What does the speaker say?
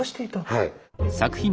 はい。